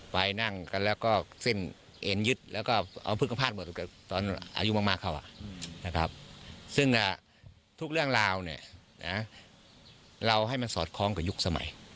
ฟังเสียงหน่อยค่ะ